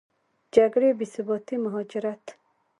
جګړې، بېثباتي، مهاجرت